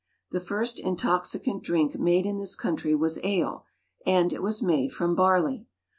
The first intoxicant drink made in this country was ale, and it was made from barley.